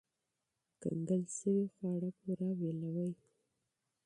کنګل شوي خواړه پوره ویلوئ.